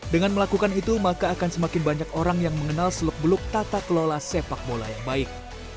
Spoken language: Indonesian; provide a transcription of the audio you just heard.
dengan melakukan itu maka akan semakin banyak orang yang mengenal seluk beluk tata kelola sepak bola yang baik